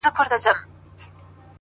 هره ورځ د ځان جوړولو چانس دی.!